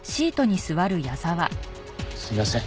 すいません。